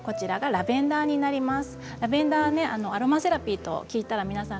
ラベンダーはアロマセラピーと聞いたら皆さん